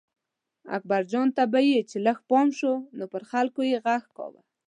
اکبرجان ته به چې لږ پام شو نو پر خلکو یې غږ کاوه.